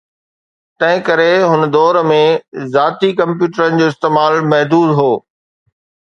تنهن ڪري، هن دور ۾ ذاتي ڪمپيوٽرن جو استعمال محدود هو